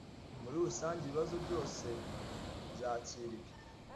Muri rusange ibibazo byose byakiriwe